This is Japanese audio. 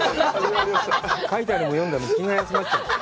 書いてあるもの読んだら、気が休まっちゃう。